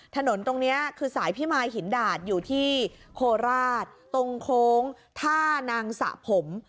ถนนตรงนี้คือสายพิมายหินดาดอยู่ที่โคราชตรงโค้งท่านังสะผม